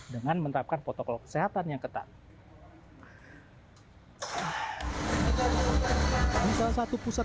dengan menerapkan protokol kesehatan yang ketat